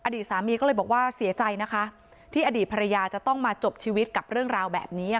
อดีตสามีก็เลยบอกว่าเสียใจนะคะที่อดีตภรรยาจะต้องมาจบชีวิตกับเรื่องราวแบบนี้